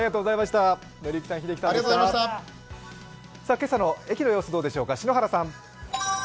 今朝の駅の様子どうでしょうか。